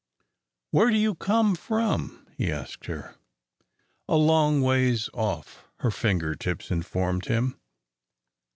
"Where do you come from?" he asked her. "A long ways off," her finger tips informed him.